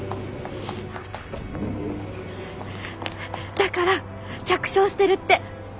だから着床してるって。